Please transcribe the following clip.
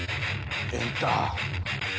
エンター。